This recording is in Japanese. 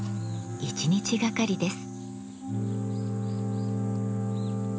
一日がかりです。